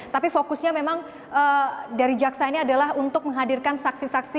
tapi fokusnya memang dari jaksa ini adalah untuk menghadirkan saksi saksi